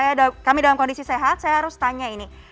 ya kami dalam kondisi sehat saya harus tanya ini